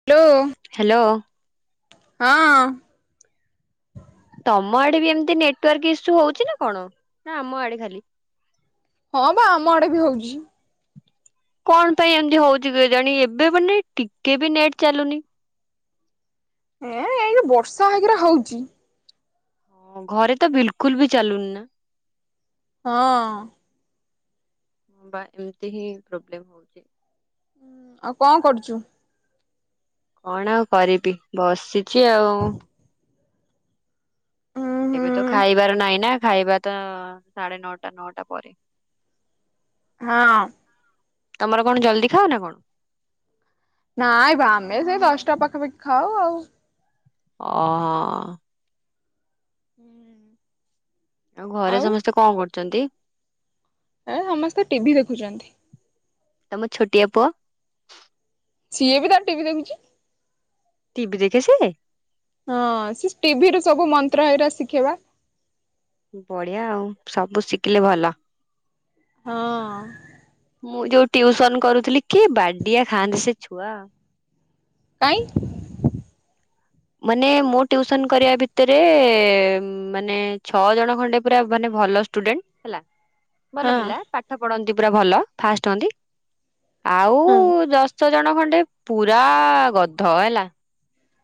Hello. Hello. ହଁ। ତମ ଆଡେ ବି ଏମିତି ନେଟୱାର୍କ ଇସୁ ହଉଚି ନା କଣ ନା ଆମ ଆଡେ ଖାଲି? ହଁ ବା ଆମ ଆଡେ ବି ହଉଚି। କଣ ପାଇଁ ଏମତି ହଉଚି କେଜାଣି ଏବେ ବୋଲି ଟିକେ ବି ନେଟ୍ ଚାଲୁନି। ଏଁ ଏଉ ଯୋଉ ବର୍ଷା ହେଇଗେରା ହଉଚି। ହଁ ଘରେ ତ ବିଲକୁଲ ବି ଚାଲୁନି ନାଁ। ହଁ ହ ବା ଏମିତି ହିଁ ପ୍ରୋବ୍ଲେମ ହଉଛି। ଆଉ କଣ କରୁଛୁ? କଣ ଆଉ କରିବି ବସିଛି ଆଉ। ଉୁଁ ହୁଁ ଏବେ ତ ଖାଇବାର ନାହିଁ ନା ଖାଇବା ତ ସାଢେ ନଅଟା ନଅଟା ପରେ। ହଁ ତମର କଣ ଜଲଦି ଖାଅ ନା କଣ? ନାଇଁ ବା ଆମେ ସେଇ ଦଶଟା ପାଖାପାଖି ଖାଉ ଆଉ। ଅହଁ। ହୁଁ ଆଉ ଘରେ ସମସ୍ତେ କଣ କରୁଛନ୍ତି? ଏ ସମସ୍ତେ ଟିଭି ଦେଖୁଛନ୍ତି। ତମ ଛୋଟିଆ ପୁଅ? ସିଏ ବି ତାର ଟିଭିି ଦେଖୁଛି। ଟିଭି ଦେଖେ ସିଏ? ହଁ ସେ ଟିଭିରେ ସବୁ ମନ୍ତ୍ର ହେଇରା ଶିଖେବା ବଢ଼ିଆ ଆଉ ସବୁ ଶିଖିଲେ ଭଲ। ହଁ ମୁଁ ଯୋଉ ଟ୍ଯୁସନ କରୁଥିଲି କି ବାଡ଼ିଆ ଖାଆନ୍ତି ସେ ଛୁଆ। କାଇଁ? ମାନେ ମୁଁ ଟ୍ଯୁସନ କରିବା ଭିତରେ ମାନେ ଛଅ ଜଣ ଖଣ୍ଡେ ପୁରା ମାନେ ଭଲ ଷ୍ଟୁଡେଣ୍ଟ ହେଲା। ଭଲ ହଁ ପିଲା ପାଠ ପଢନ୍ତି ପୁରା ଭଲ ଫାଷ୍ଟ ହୁଅନ୍ତି। ଆଉ ହଁ ଯଷ୍ଟ ଛ ଜଣ ଖଣ୍ଡେ ପୁରା ଗଧ ହେଲା।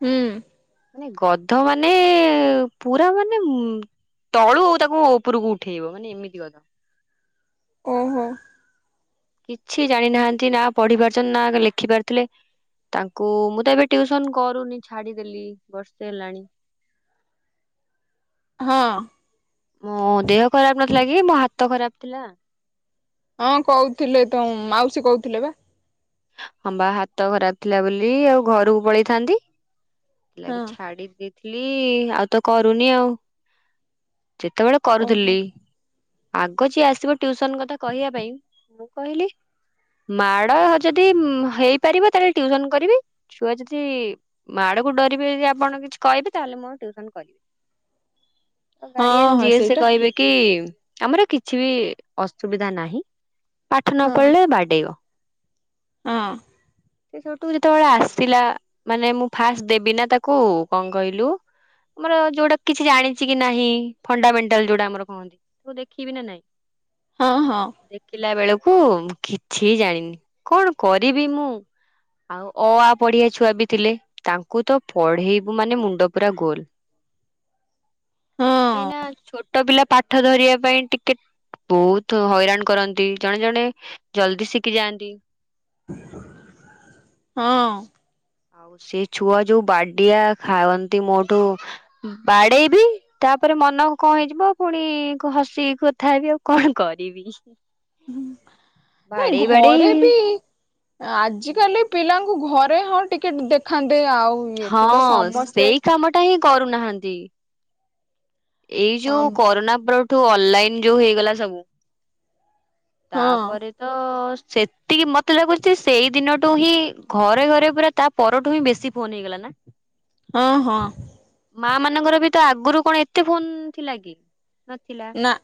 ହୁଁ ମାନେ ଗଧ ମାନେ ପୁରା ମାନେ ଉଁ ତଳୁ ତାକୁ ଉପରକୁ ଉଠେଇବ ମାନେ ଏମିତି ଗଧ। ଓହୋ। କିଛି ଜାଣି ନାହାନ୍ତି। ନା ପଢ଼ିପାରୁଛନ୍ତି ନା ଲେଖିପାରୁଛନ୍ତି ତାଙ୍କୁ ମୁଁ ତ ଏବେ ଟ୍ଯୁସନ କରୁନି ଛାଡିଦେଲି ବର୍ଷେ ହେଲାଣି। ହଁ ମୋ ଦେହ ଖରାପ ନଥିଲା କି ମୋ ହାତ ଖରାପ ଥିଲା। ହଁ କହୁଥିଲେ ତ ମାଉସୀ କହୁଥିଲେ ବା ହଁ ବା ହାତ ଖରାପ ଥିଲା ବୋଲି ଆଉ ଘରକୁ ପଳେଇଥାନ୍ତି ହଁ ଥିଲାଗି ଛାଡି ଦେଇଥିଲି ଆଉ ତ କରୁନି ଆଉ ଯେତେବେଳେ ଓହୋ କରୁଥିଲି ଆଗ ଯିଏ ଆସିବ ଟିଉସନ କଥା କହିବା ପାଇଁ ମୁଁ କହିଲି ମାଡ ଯଦି ହେଇପାରିବ ତାହେଲେ ଟିଉସନ କରିବି ଛୁଆ ଯଦି ମାଡ଼ ଡରିବେ ଯଦି ଆପଣ କିଛି କହିବେ ତାହାଲେ ମୁ ଆଉ ଟ୍ୟୁସନ କରିବି ହଁ ଗାଡିଆନ ହଁ ଯିଏ ସେ ସେଇଟା କହିବେ କି ଆମର କିଛି ବି ଅସୁବିଧା ନାହିଁ ପାଠ ନ ହଁ ପଢ଼ିଲେ ବାଡ଼େଇବ। ହଁ ସେ ସେଠୁ ଯେତେବେଳେ ଆସିଲା ମାନେ ମୁଁ ଫାଷ୍ଟ ଦେବି ନା ତାକୁ କଣ କହିଲୁ ଆମର ଯୋଉଟା କିଛି ଜାଣିଛି କି ନାହିଁ ଫଣ୍ଡାମେଣ୍ଟାଲ ଯୋଉଟା ଆମର କହନ୍ତି। ତ ଦେଖିବି ନା ନାଇଁ ହଁ ହଁ। ଦେଖିଲା ବେଳକୁ କିଛି ଜାଣିନି କଣ କରିବି ମୁଁ ଆଉ ଅ ଆ ପଢିଆ ଛୁଆ ବି ଥିଲେ। ତାଙ୍କୁ ତ ପଢେଇବୁ ମାନେ ମୁଣ୍ଡ ପୁରା ଗୋଲ। ହଁ। କାଇନା ଛୋଟ ପିଲା ପାଠ ଧରିବା ପାଇଁ ଟିକେ ବହୁତ ହଇରାଣ କରନ୍ତି ଜଣେ ଜଣେ ଜଲ୍ଦୀ ଶିଖି ଯାଆନ୍ତି। ହଁ। ଆଉ ସେ ଛୁଆ ଯୋଉ ବାଡିଆ ଖାଆନ୍ତି ମୋଠୁ ବାଡେଇବି ତାପରେ ମନ କଣ ହେଇଯିବ ପୁଣି ହସିକି କଥା ହେବି ଆଉ କଣ କରିବି। ହଁ ନାଇଁ ବାଡେଇ ବାଡେଇ ଘରେ ବି। ଆଜିକାଲି ପିଲାଙ୍କୁ ଘରେ ହଁ ଟିକେ ଦେଖାନ୍ତେ ଆଉ। ଇଏ ଏଠି ତ ହଁ ସମସ୍ତେ ସେଇ କାମ ଟା ହିଁ କରୁନାହାନ୍ତି। ଏଇ ଯୋଉ ହଁ କରୋନା ପରଠୁ ଅନଲାଇନ ଯୋଉ ହେଇଗଲା ସବୁ। ତାପରେ ତ ସେତିକି ମତେ ଲାଗୁଛି ସେଇ ଦିନଠୁ ହିଁ ଘରେ ଘରେ ପୁରା ତା ପରଠୁ ହିଁ ବେଶୀ ଫୋନ ହେଇଗଲା ନା। ହଁ ହଁ। ମା ମାନଙ୍କର ବି ତ ଆଗରୁ କଣ ଏତେ ଫୋନ ଥିଲା କି ନଥିଲା। ନା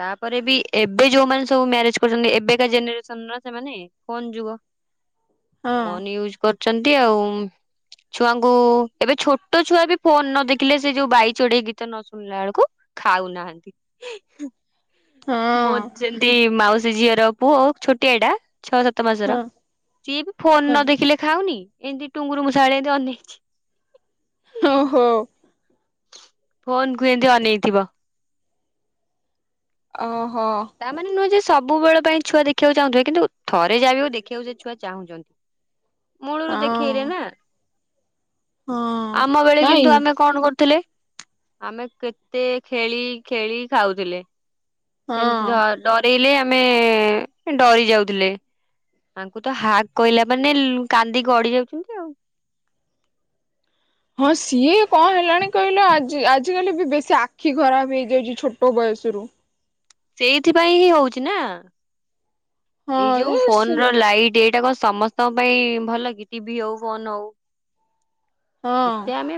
ତାପରେ ବି ଏବେ ଯୋଉମାନେ ସବୁ ମ୍ୟାରେଜ କରୁଛନ୍ତି ଏବେକା ଜେନେରେସନର ସେମାନେ। ଫୋନ୍ ଯୁଗ। ହଁ ଫୋନ ୟୁଜ କରୁଛନ୍ତି ଆଉ ଛୁଆଙ୍କୁ ଏବେ ଛୋଟ ଛୁଆ ବି ଫୋନ ନ ଦେଖିଲେ ସେ ଯୋଉ ବାଇ ଚଢେଇ ଗୀତ ନ ଶୁଣିଲା ବେଳକୁ ଖାଉ ନାହାନ୍ତି। ମୋ ହଁ ଯେମିତି ମାଉସୀ ଝିଅର ପୁଅ ଛୋଟିଆଟା। ଛଅ ସାତ ମାସର ହଁ ସିଏ ବି ଫୋନ ହଁ ନ ଦେଖିଲେ ଖାଉନି ଏମିତି ଟୁଙ୍ଗୁରୁ ମୂଷା ଭଳିଆ ଏମିତି ଅନେଇଛି। ଓହୋ। ଫୋନ୍ କୁ ଏମିତି ଅନେଇଥିବ। ଓହୋ। ତାମାନେ ନୁହେଁ ଯେ ସବୁବେଳେ ପାଇଁ ଛୁଆ ଦେଖବାକୁ ଚାହୁଁଥିବେ କିନ୍ତୁ ଥରେ ଯାହା ବି ହେଉ ଦେଖିବାକୁ ଛୁଆ ଚାହୁଛ ମୂଳରୁ ହଁ ଦେଖେଇଲେ ନା। ହଁ ଆମ ବେଳେ ନାଇଁ କିନ୍ତୁ ଆମେ କଣ କରିଥିଲେ? ଆମେ କେତେ ଖେଳି ଖେଳି ଖାଉଥିଲେ। ହଁ ସେମିତି ଡରଇଲେ ଆମେ ଡରି ଯାଉଥିଲେ। ତାଙ୍କୁ ତ ହାକ୍ କହିଲା ମାନେ ଲୁ କାନ୍ଦି ଗଡି ଯାଉଛନ୍ତି ଆଉ। ହଁ ସିଏ କଣ ହେଲାଣି କହିଲା ଆ ଆଜିକାଲି ବି ବେଶୀ ଆଖି ଖରାପ ହେଇଯାଉଛି ଛୋଟ ବୟସରୁ। ସେଇଥିପାଇଁ ହିଁ ହଉଛି ନା। ହଁ ଏଇ ଯୋଉ ଯେ ଫୋନ ସେ ର ଲାଇଟ୍ ଏଇଟା କଣ ସମସ୍ତଙ୍କ ପାଇଁ ଭଲ କି ଟିଭି ହଉ ଫୋନ ହଉ। ହଁ ଯେତେ ଆମେ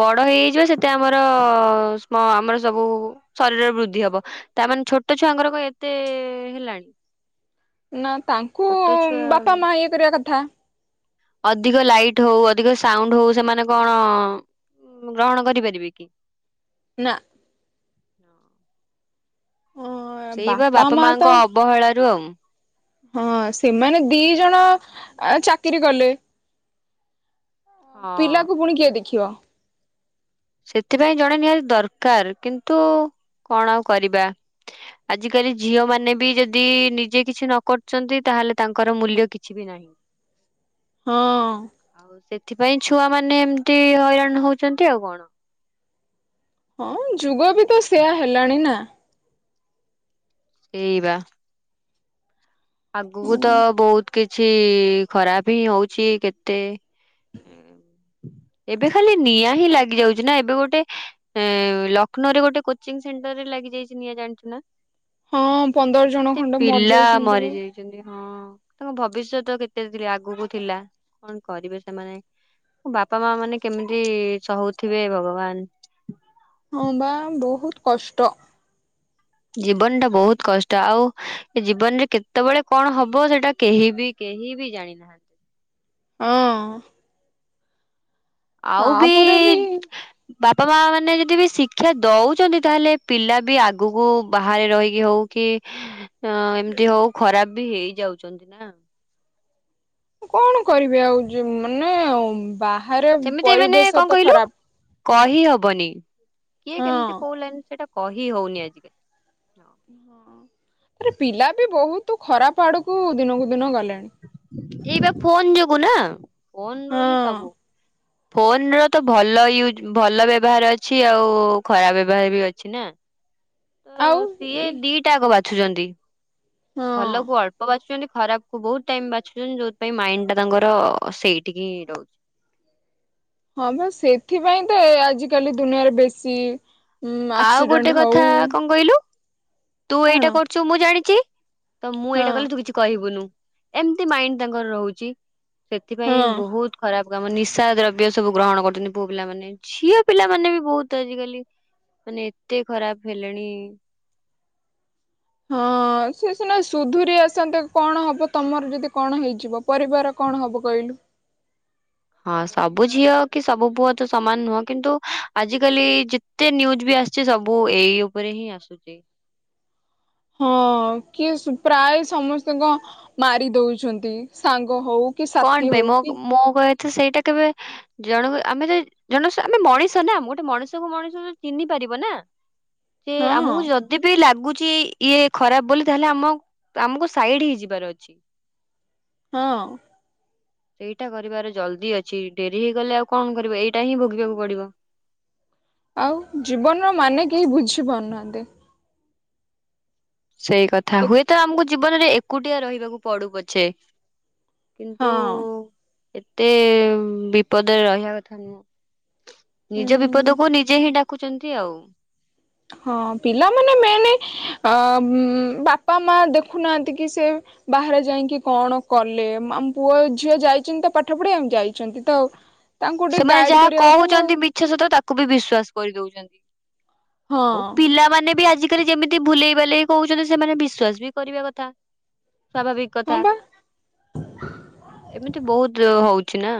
ବଡ ହେଇ ହେଇ ଯିବା ସେତେ ଆମର ସ୍ମ ଆମର ସବୁ ଶରୀରର ବୃଦ୍ଧି ହବ। ତାମାନେ ଛୋଟ ଛୁଆଙ୍କର କଣ ଏତେ ହେଲାଣି? ନା ତାଙ୍କୁ ଛୋଟ ଛୁଆ ବାପା ମା ଇଏ କରିବା କଥା। ଅଧିକ ଲାଇଟ୍ ହଉ ଅଧିକ ସାଉଣ୍ଡ ହଉ ସେମାନେ କଣ ଗ୍ରହଣ କରିପାରିବେ କି? ନା। ଅ ସେଇବା ବାପା ମା ତ ମାଙ୍କ ଅବହେଳାରୁ ଆଉ। ହଁ ସେମାନେ ଦି ଜଣ ଆଁ ଚାକିରି କଲେ। ହଁ ପିଲାକୁ ପୁଣି କିଏ ଦେଖିବ? ସେଥିପାଇଁ ଜଣେ ନିହାତି ଦରକାର କିନ୍ତୁ କଣ ଆଉ କରିବା। ଆଜିକାଲି ଝିଅ ମାନେ ବି ଯଦି ନିଜେ କିଛି ନ କରଛନ୍ତି ତାହେଲେ ତାଙ୍କର ମୂଲ୍ୟ କିଛି ବି ନାହିଁ। ହଁ ଅଁ। ଆଉ ସେଥିପାଇଁ ଛୁଆ ମାନେ ଏମତି ହଇରାଣ ହଉଛନ୍ତି ଆଉ କଣ। ହଁ ଯୁଗ ବି ତ ସେୟା ହେଲାଣି ନା। ଏଇବା। ଆଗକୁ ତ ବହୁତ କିଛି ଖରାପ ହିଁ ହଉଛି କେତେ ଏଁ ଏବେ ଖାଲି ନିଆଁ ହିଁ ଲାଗି ଯାଉଛି ନା ଏବେ ଗୋଟେ ଏଁ ଲକ୍ଷ୍ନୌ ରେ ଗୋଟେ କୋଚିଂ ସେଣ୍ଟର ରେ ଲାଗିଯାଇଚି ନିଆଁ ଜାଣିଛୁ ନା। ହଁ ପନ୍ଦର ଜଣ ଖଣ୍ଡେ ମରିଯାଇଛନ୍ତି ବା। ଭାବିଛନ୍ତି ହଁ ତାଙ୍କ ଭବିଷ୍ୟତ କେତେ ଆଗକୁ ଥିଲା କଣ କରିବେ ସେମାନେ। ତାଙ୍କ ବାପା ମା ମାନେ କେମିତି ସହୁ ଥିବେ ଭଗବାନ। ହଁ ବା ବହୁତ କଷ୍ଟ। ଜୀବନ ଟା ବହୁତ କଷ୍ଟ ଆଉ ଏ ଜୀବନରେ କେତେବେଳେ କଣ ହବ ସେଇଟା କେହି ବି କେହି ବି ଜାଣିନାହାନ୍ତି। ହଁ। ଆଉ ବି ବାପା ମା ମାନେ ଯଦି ବି ଶିକ୍ଷା ଦଉଛନ୍ତି ତାହେଲେ ପିଲା ବି ଆଗକୁ ବାହାରେ ରହିକି ହଉ କି ଅଁ ଏମତି ହଉ ଖରାପ ବି ହେଇଯାଉଛନ୍ତି ନା। କଣ କରିବେ ଆଉ ଯୁ ମାନେ ବାହାରେ ସେମିତି ମାନେ କଣ ପରିବେଶ ତ କହିଲୁ ଖରାପ। କହି ହବନି କିଏ ହଁ କେମିତି କଉ ଲାଇନ୍ ସେଟା କହି ହଉନି ଆଜିକାଲି। ହଁ ତା ପରେ ପିଲା ବି ବହୁତ ଖରାପ ଆଡକୁ ଦିନକୁ ଦିନ ଗଲେଣି। ଏଇପା ଫୋନ ଯୋଗୁ ନା ଫୋନ ରୁ ହିଁ ହଁ ସବୁ। ଫୋନ୍ ର ତ ଭଲ ୟୁଜ ଭଲ ବ୍ୟବହାର ଅଛି ଆଉ ଖରାପ ବ୍ୟବହାର ବି ଅଛି ନା ତ ଆଉ ସିଏ ଇ ଦି ଟାକ ବାଛୁଛନ୍ତି ହଁ ଭଲ କୁ ଅଳ୍ପ ବାଛୁଛନ୍ତି ଖରାପ ବହୁତ ଟାଇମ୍ ବାଛୁଛନ୍ତି ଯୋଉଥିପାଇଁ ମାଇଣ୍ଡ ଟା ତାଙ୍କର ସେଇଟିକି ରହୁଚି। ହଁ ପା ସେଥିପାଇଁ ତ ଏ ଆଜିକାଲି ଦୁନିଆରେ ବେଶୀ ଉଁ ଆଉ ଆକ୍ସିଡେଣ୍ଟ ଗୋଟେ କଥା ହଉ କଣ କହିଲୁ ତୁ କଣ ଏଇଟା କରୁଛୁ ମୁଁ ଜାଣିଚି ତ ମୁଁ ହଁ ଏଇଟା କଲେ ତୁ କିଛି କହିବୁନୁ ଏମତି ମାଇଣ୍ଡ ତାଙ୍କର ରହୁଛି ସେଥିପାଇଁ ହଁ। ବହୁତ ଖରାପ କାମ ନିଶା ଦ୍ରବ୍ୟ ସବୁ ଗ୍ରହଣ କରୁଛନ୍ତି ପୁଅ ପିଲା ମାନେ ଝିଅ ପିଲାମାନେ ବି ବହୁତ ଆଜିକାଲି ମାନେ ଏତେ ଖରାପ ହେଲେଣି। ହଁ। ହଁ ସେ ସିନା ସୁଧୁରୀ ଆସନ୍ତେ କଣ ହବ ତମର ଯଦି କଣ ହେଇଯିବ ପରିବାର କଣ ହବ କହିଲୁ? ହଁ ସବୁ ଝିଅ କି ସବୁ ପୁଅ ତ ସମାନ ନୁହଁ କିନ୍ତୁ ଆଜିିକାଲି ଯେ ଯେତେ ନ୍ୟୁଜ୍ ବି ଆସିଛି ସବୁ ଏଇ ଉପରେ ହିଁ ଆସୁଚି। ହଁ କିଏ ସୁ ପ୍ରାୟ ସମସ୍ତଙ୍କ ମାରି ଦଉଛନ୍ତି ସାଙ୍ଗ ହଉ କି କଣ ସାଥି ପାଇଁ ହଉ ମୋ କି ମୋ କହିବା କଥା ସେଇଟା କେବେ ଜଣକୁ ଆମେ ଯ ଜନେଶୁ ଆମେ ମଣିଷ ନା ଗୋଟେ ମଣିଷ କୁ ମଣିଷ ଚିହ୍ନି ପାରିବ ନା ସେ ହଁ ଆମକୁ ଯ ଯଦି ବି ଲାଗୁଛି ଇଏ ଖରାପ ବୋଲି ତାହେଲେ ଆମ ଆମକୁ ସାଇଡ୍ ହେଇଯିବାର ଅଛି। ହଁ। ସେଇଟା କରିବାର ଜଲ୍ଦି ଅଛି ଡେରି ହେଇଗଲେ ଆଉ କଣ କରିବ ଏଇଟା ହିଁ ଭୋଗିବାକୁ ପଡିବ। ଆଉ ଜୀବନର ମାନେ କେହି ବୁଝିପାରୁନାହାନ୍ତି। ସେଇ କଥା କେ ହୁଏତ ଆମକୁ ଜୀବନରେ ଏକୁଟିଆ ରହିବାକୁ ପଡୁ ପଛେ। କିନ୍ତୁ ହଁ ଏତେ ବିପଦରେ ରହିବା କଥା ନୁହଁ। ନିଜ ଉଁ ବିପଦକୁ ନିଜେ ହିଁ ଡାକୁଛନ୍ତି ଆଉ। ହଁ ପିଲାମାନେ ମେନଲି ଅ ଉମ ବାପା ମା ଦେଖୁନାହାନ୍ତି କି ସେ ବାହାରେ ଯାଇକି କଣ କଲେ ଆମ ପୁଅ ଝିଅ ଯାଇଛନ୍ତି ତ ପାଠ ପଢିବାକୁ ଯାଇଛନ୍ତି ତ। ତାଙ୍କୁ ଟିକେ ସେମାନେ ଗାଇଡ ଯାହା କରିବା କଥା ନା କହୁଛନ୍ତି ଆଉ ବି ମିଛ ସତ ତାକୁ ବି ବିଶ୍ଵାସ କରିଦଉଛନ୍ତି ଆଉ ହଁ ପିଲାମାନେ ବି ଆଜି ଯେମିତି ଭୁଲେଇ ବାଲେଇ କହୁଛନ୍ତି ସେମାନେ ବିଶ୍ଵାସ ବି କରିବା କଥା ସ୍ୱାଭାବିକ୍। ହଁ କଥା ବା ଏମିତି ବହୁତ୍ ହଉଛି ନା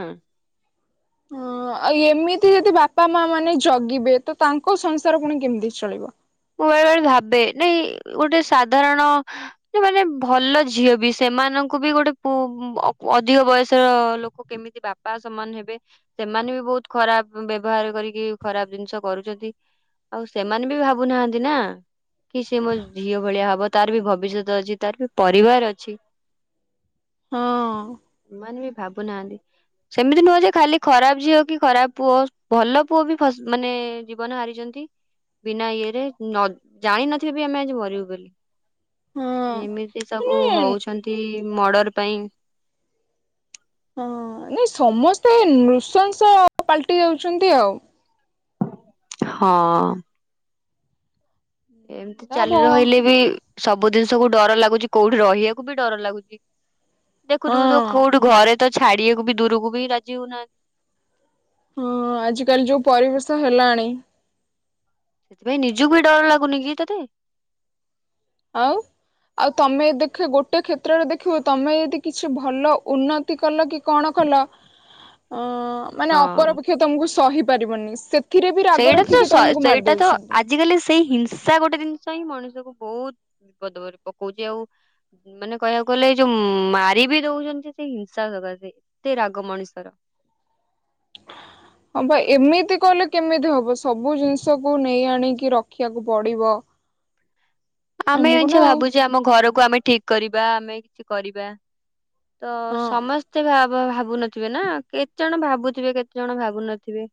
ହଁ ଆଉ ଏମିତି ଯଦି ବାପା ମା ମାନେ ଜଗିବେ ତ ତାଙ୍କ ସଂସାର ପୁଣି କେମିତି ଚଳିବ। ମୁଁ ବେଳେ ବେଳେ ଭାବେ ନାଇ ଗୋଟେ ସାଧାରଣ ସେ ମାନେ ଭଲ ଝିଅ ବି ସେମାନଙ୍କୁ ବି ଗୋଟେ ପୁ ଅଧିକ ବୟସର ଲୋକ କେମିତି କି ବାପା ସମାନ ହେବେ ସେମାନେ ବି ବହୁତ୍ ଖରାପ୍ ବ୍ୟବହାର କରିକି ଖରାପ୍ ଜିନିଷ କରୁଛନ୍ତି। ଆଉ ସେମାନେ ବି ଭାବୁନାହାନ୍ତି ନା କି ସେ ମୋ ଝିଅ ଭଳିଆ ହବ ତାର ବି ଭବିଷ୍ୟତ ଅଛି ତାର ବି ପରିବାର ଅଛି। [inaudible] ହଁ। ସେମାନେ ବି ଭାବୁନାହାନ୍ତି। ସେମିତି ନୁହଁ ଯେ ଖାଲି ଖରାପ ଝିଅ କି ଖରାପ ପୁଅ ଭଲ ପୁଅ ବି ମାନେ ଜୀବନ ହାରିଛନ୍ତି ବିନା ଇଏରେ ନ ଜାଣିନଥିବେ ବି ଆମେ ଆଜି ମରିବୁ ବୋଲି। ହଁ ଏମିତି ମାନେ ସବୁ ହଉଛନ୍ତି ମର୍ଡର ପାଇଁ। ହଁ। ନାଇଁ ସମସ୍ତେ ନୃସଂସ ପାଲଟି ଯାଉଛନ୍ତି ଆଉ। ହଁ। ଏମିତି ତା ଭ ଚାଲି ରହିଲେ ବି ସବୁ ଜିନିଷ କୁ ଡର ଲାଗୁଛି କୋଉଠି ରହିବାକୁ ବି ଡର ଲାଗୁଛି ହଁ ଦେଖୁୁଥିବୁ ତ କୋଉଠି ଘରେ ତ ଛାଡିବାକୁ ବି ଦୂରକୁ ବି ରାଜି ହଉନାହାନ୍ତି। ହଁ, ଆଜିକାଲି ଯୋଉ ପରିବେଶ ହେଲାଣି। ସେଥିପାଇଁ ନିଜକୁ ବି ଡର ଲାଗୁନି କି ତତେ। ଆଉ ଆଉ ତମେ ଦେଖ ଗୋଟେ କ୍ଷେତ୍ରରେ ଦେଖିବ ତମେ ଯଦି କିଛି ଭଲ ଉନ୍ନ ତି କଲ କି କଣ କଲ ଅ ମାନେ ହଁ ଅପରପକ୍ଷ ତମକୁ ସହି ପାରିବନି ସେଥିରେ ବି ରାଗ ରଖିକି ତମକୁ ମାରିଦଉଛନ୍ତି। ଆଜ କାଲି ସେଇ ହିଂସା ଗୋଟେ ଜିନିଷ ହିଁ ମଣିଷକୁୁ ବହୁତ ବିପଦରେ ପକଉଛି ଆଉ। ମାନେ କହିବାକୁ ଗଲେ ଏଇ ଯୋଉ ମାରି ବିି ଦଉଛନ୍ତି ସେ ହିଂସା ସକାସେ। ଏତେ ରାଗ ମଣିଷର। ହଁ, ପା ଏମିତି କଲେ କେମିତି ହବ ସବୁ ଜିନିଷକୁ ନେଇ ଆଣିକି ରଖିବାକୁ ପଡିବ। ଆମେ ଆମକୁ ଏଇଛା ନା ଆଉ ଭାବୁଛେ ଆମ ଘରକୁ ଆମେ ଠିକ କରିବା ଆମେ କିଛି କରିବା ତ ସମସ୍ତେ ଭାବ ଭାବୁନ ଥି ଥିବେ ନା କେତେଜଣ ଭାବୁଥିବେ କେତେଜଣ ଭାବୁ ନଥିବେ।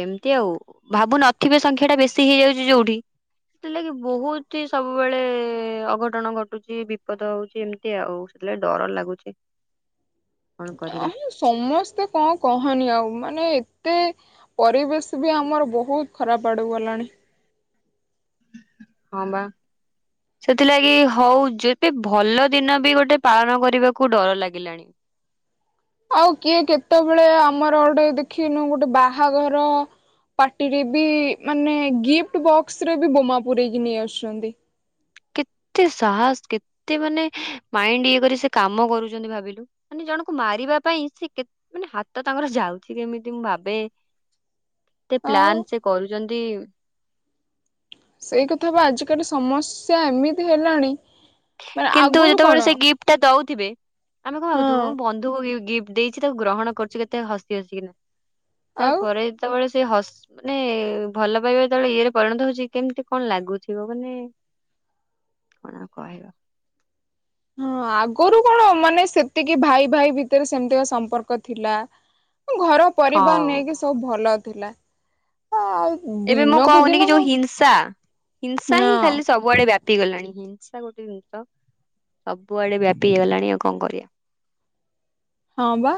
ଏମିତି ଆଉ ଭାବୁନଥିବେ ସଂଖ୍ୟା ଟା ବେଶୀ ହେଇଯାଉଛି ଯୋଉଠି ସେଥିଲାଗି ବହୁତ୍ ଛି ସବୁବେଳେ ଅଘଟଣ ଘଟୁଛି ବିପଦ ହଉଛି ଏମିତି ଆଉ ସେଥିଲାଗି ଡର ଲାଗୁଛି। [inaudible] କଣ ଆ କରିବା ସମସ୍ତେ କଣ କହନି ଆଉ ମାନେ ଏତେ ପରିବେଶ ବି ଆମର ବହୁତ୍ ଖରାପ୍ ଆଡ଼କୁ ଗଲାଣି। ହଁ ବା ସେଥିଲାଗି ହଉ ଯେବେ ଭଲ ଦିନ ବି ଗୋଟେ ପାଳନ କରିବାକୁ ଡର ଲାଗିଲାଣି। ଆଉ କିଏ କେତେବେଳେ ଆମର ଗୋଟେ ଦେଖିନୁ ଗୋଟେ ବାହାଘର ପାର୍ଟିରେ ବି ମାନେ ଗିଫ୍ଟ ବକ୍ସ ରେ ବି ବୋମା ପୁରେଇ କି ନେଇ ଆସୁଛନ୍ତି। କେତେ ସାହସ କେତେ ମାନେ ମାଇଣ୍ଡ ଇଏ କରି ସେ କାମ କରୁଛନ୍ତି ଭାବିଲୁ? ମାନେ ଜଣ ଙ୍କୁ ମାରିବା ପାଇଁ ସେ ମାନେ ହାତ ତାଙ୍କର ଯାଉଛି କେମିତି ମୁଁ ଭାବେ ଏତେ ଆଉ ପ୍ଲନ୍ ସେ କରୁଛନ୍ତି। ସେଇ କଥା ବା ଆଜିକାଲି ସମସ୍ୟା ଏମିତି ହେଲାଣି ମାନେ କିନ୍ତୁ ଆଗରୁ କଣ ଯେତେବେଳେ ସେ ଗିଫ୍ଟଟା ଦଉଥିବେ ଆମେ କଣ ହଁ ଭାବୁଥିବୁ ବନ୍ଧୁ ଗିଫ୍ଟ ଦେଇଛି ତାକୁ ଗ୍ରହଣ କରୁଛିୁ କେତେ ହସି ହସ କିନା ଆଉ ତାପରେ ଯେତେବେଳେ ସେ ହ ମାନେ ଭଲ ପାଇବା ଯେତେବେଳେ ଇଏରେ ପରିଣତ ହଉଛି କେମିତି କଣ ଲାଗୁଥିବ ମାନେ କଣ ଆଉ କହିବ ହଁ ଆଗରୁ କଣ ମାନେ ସେତିକି ଭାଇ ଭାଇ ଭିତରେ ସେମିତିକା ସମ୍ପର୍କ ଥିଲା। ଘର ପରିବାର ହଁ ନେଇକି ସବୁ ଭଲ ଥିଲା। ଆଉ ଏବେ ମୁଁ ଦିନକୁ କହୁନି କି ଦିନ ଯୋଉ ହଁ ହିଂସା ହିଂସା ହିଁ ଖାଲି ସବୁ ସବୁଆଡେ ବ୍ୟାପି ଗଲାଣି। ହିଂସା ଗୋଟେ ଜିନିଷ ସବୁଆଡେ ବ୍ୟାପି ହେଇଗଲାଣି ଆଉ କଣ କରିବା? ହଁ ବା